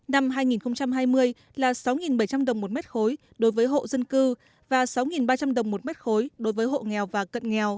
năm hai nghìn hai mươi là sáu bảy trăm linh đồng một mét khối đối với hộ dân cư và sáu ba trăm linh đồng một mét khối đối với hộ nghèo và cận nghèo